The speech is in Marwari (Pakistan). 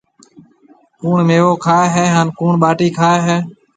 ڪوُڻ ميوو کائي هيَ هانَ ڪوُڻ ٻاٽِي کائي هيَ؟